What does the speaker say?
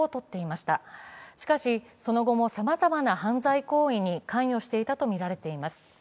しかし、その後もさまざまな犯罪行為に関与していたとみられています。